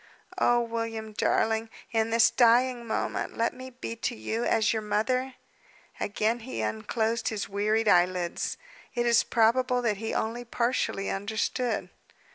"Oh, William, darling! in this dying moment let me be to you as your mother!" Again he unclosed his wearied eyelids. It is probable that he only partially understood.